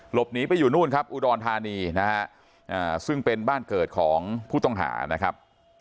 หลบหนีไปอยู่นู่นครับอุดรธานีนะฮะซึ่งเป็นบ้านเกิดของผู้ต้องหานะครับ